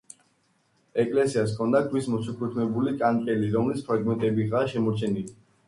ეკლესიას ჰქონდა ქვის მოჩუქურთმებული კანკელი, რომლის ფრაგმენტებიღაა შემორჩენილი.